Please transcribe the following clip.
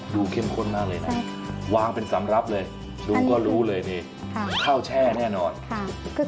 เข้มข้นมากเลยนะวางเป็นสำหรับเลยดูก็รู้เลยนี่ข้าวแช่แน่นอนค่ะ